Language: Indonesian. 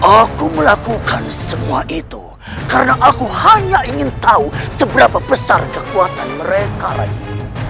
aku melakukan semua itu karena aku hanya ingin tahu seberapa besar kekuatan mereka lagi